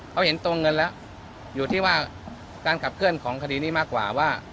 เขาเห็นตัวเงินแล้วอยู่ที่ว่าการขับเคลื่อนของคดีนี้มากกว่าว่า